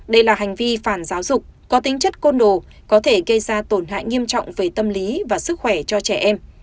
đây là hành vi phản giáo dục có tính chất côn đồ có thể gây ra tổn hại nghiêm trọng về tâm lý và sức khỏe cho trẻ em